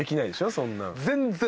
そんなの。